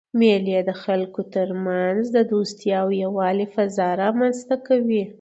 مېلې د خلکو ترمنځ د دوستۍ او یووالي فضا رامنځ ته کوي.